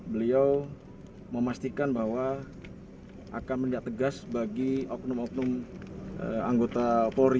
beliau memastikan bahwa akan menindak tegas bagi oknum oknum anggota polri